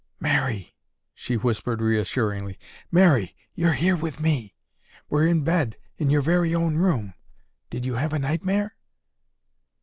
"Mary," she whispered reassuringly, "Mary, you're here with me. We're in bed in your very own room. Did you have a nightmare?"